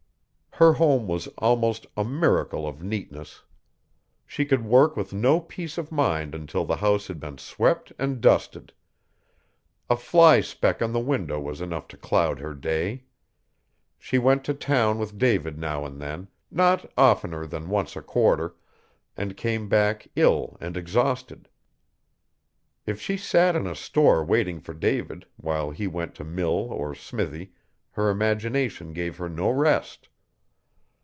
Her home was almost a miracle of neatness. She could work with no peace of mind until the house had been swept and dusted. A fly speck on the window was enough to cloud her day. She went to town with David now and then not oftener than once a quarter and came back ill and exhausted. If she sat in a store waiting for David, while he went to mill or smithy, her imagination gave her no rest.